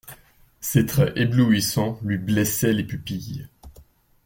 Ses traits éblouissants, lui blessaient les pupilles.